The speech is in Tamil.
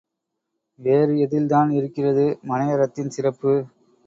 வேறு எதில்தான் இருக்கிறது மனையறத்தின் சிறப்பு?